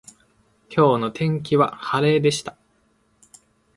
今日の天気は晴れでした。